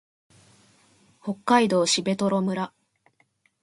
北海道蘂取村